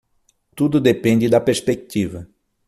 Tudo depende da perspectiva